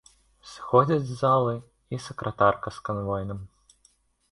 Сыходзяць з залы і сакратарка з канвойным.